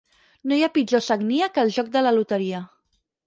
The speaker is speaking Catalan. No hi ha pitjor sagnia que el joc de la loteria.